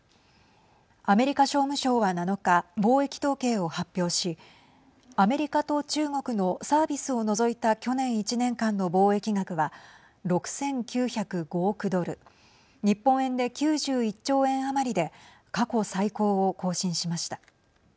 アメリカ商務省は７日貿易統計を発表しアメリカと中国のサービスを除いた去年１年間の貿易額は６９０５億ドル日本円で９１兆円余りで過去最高を更新しました。